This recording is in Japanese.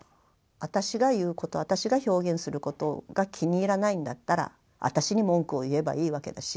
私が言うこと私が表現することが気に入らないんだったら私に文句を言えばいいわけだし。